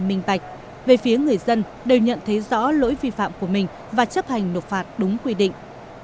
minh bạch về phía người dân đều nhận thấy rõ lỗi vi phạm của mình và chấp hành nộp phạt đúng quy định